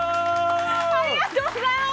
ありがとうございます。